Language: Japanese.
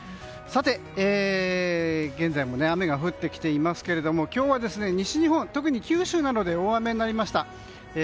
現在も雨が降ってきていますが今日は西日本、特に九州などで大雨になりました。